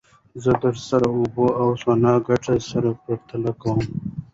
زه د سړو اوبو او سونا ګټې سره پرتله کوم.